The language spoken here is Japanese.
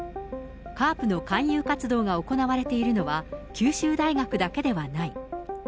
ＣＡＲＰの勧誘活動が行われているのは、九州大学だけではない。